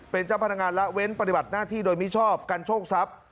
เป็นเจ้าพนักงานละเว้นปฏิบัติหน้าที่โดยมิชอบกันโชคทรัพย์